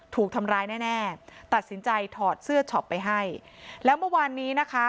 ถูกทำร้ายแน่แน่ตัดสินใจถอดเสื้อช็อปไปให้แล้วเมื่อวานนี้นะคะ